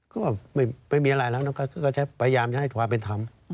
ก็แบบไม่มีอะไรแล้วก็จะพยายามให้ความเป็นธรรม